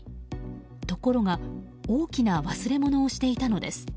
ところが大きな忘れ物をしていたのです。